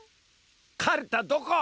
かるたどこ！？